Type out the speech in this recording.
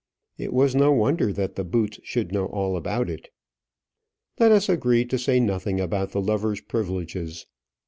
It was no wonder that the boots should know all about it. Let us agree to say nothing about the lovers' privileges.